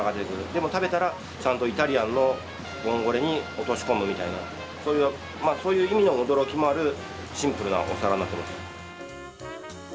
でも食べたらちゃんとイタリアンのボンゴレに落とし込むみたいなそういう意味の驚きもあるシンプルなお皿になってます。